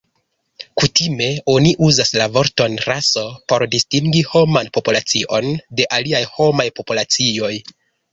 Kutime oni uzas la vorton 'raso' por distingi homan populacion de aliaj homaj populacioj.